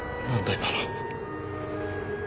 今の。